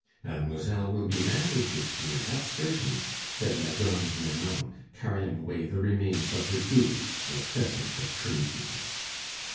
"Mademoiselle will be married this year, that's certain," said la Grande Nanon, carrying away the remains of the goose, the pheasant of tradesmen.